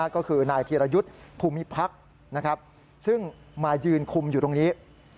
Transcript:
ก็คือนายธีรยุทธ์ภูมิพักซึ่งมายืนคุมอยู่ตรงนี้